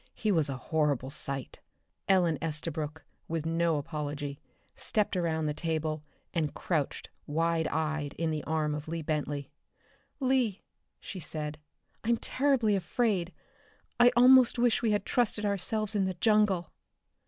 He was a horrible sight. Ellen Estabrook, with no apology, stepped around the table and crouched wide eyed in the arm of Lee Bentley. "Lee," she said, "I'm terribly afraid. I almost wish we had trusted ourselves in the jungle."